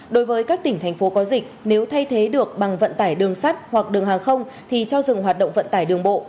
đối với các tỉnh thành phố có dịch nếu thay thế được bằng vận tải đường sắt hoặc đường hàng không thì cho dừng hoạt động vận tải đường bộ